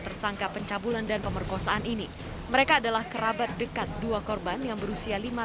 tersangka pencabulan dan pemerkosaan ini mereka adalah kerabat dekat dua korban yang berusia lima